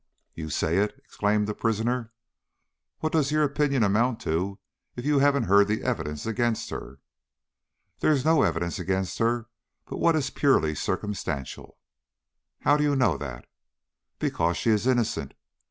"You say it!" exclaimed the prisoner. "What does your opinion amount to if you haven't heard the evidence against her?" "There is no evidence against her but what is purely circumstantial." "How do you know that?" "Because she is innocent.